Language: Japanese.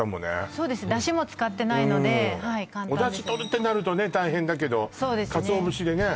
そうですだしも使ってないので簡単ですねおだしとるってなるとね大変だけどかつお節でね